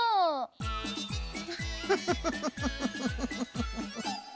フフフフフ。